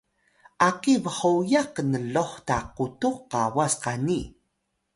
aki bhoyax knluh ta qutux kawas qani